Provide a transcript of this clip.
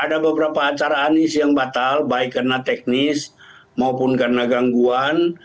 ada beberapa acara anies yang batal baik karena teknis maupun karena gangguan